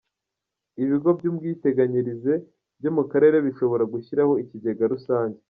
Ibigo by’ Ubwiteganyirize byo mu Karere bishobora gushyiraho ikigega rusange